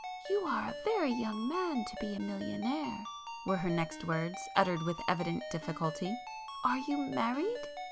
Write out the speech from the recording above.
"You are a very young man to be a millionaire,"—were her next words, uttered with evident difficulty—"Are you married?"